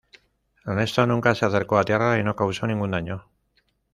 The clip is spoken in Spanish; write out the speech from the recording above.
Ernesto nunca se acercó a tierra y no causó ningún daño.